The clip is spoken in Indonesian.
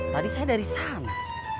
tadi saya dari sana